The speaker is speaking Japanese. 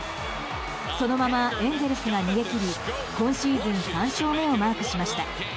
そのままエンゼルスが逃げ切り今シーズン３勝目をマークしました。